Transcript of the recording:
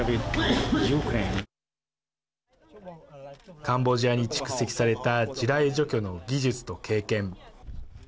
カンボジアに蓄積された地雷除去の技術と経験。